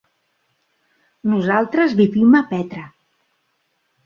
Nosaltres vivim a Petra.